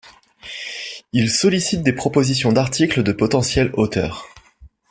Il sollicite des propositions d’articles de potentiels auteurs.